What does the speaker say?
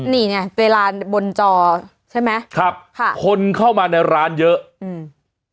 นี่เนี้ยแต่ร้านบนจอใช่ไหมครับค่ะคนเข้ามาในร้านเยอะอืม